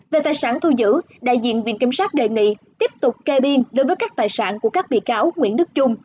về tài sản thu giữ đại diện viện kiểm sát đề nghị tiếp tục kê biên đối với các tài sản của các bị cáo nguyễn đức trung